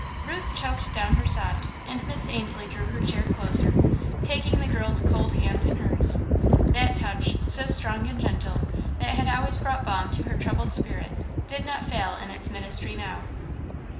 Ruth choked down her sobs, and Miss Ainslie drew her chair closer, taking the girl's cold hand in hers. That touch, so strong and gentle, that had always brought balm to her troubled spirit, did not fail in its ministry now.